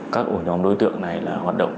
các ổn đóng đối tượng này hoạt động